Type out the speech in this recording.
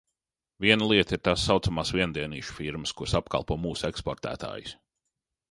Viena lieta ir tā saucamās viendienīšu firmas, kuras apkalpo mūsu eksportētājus.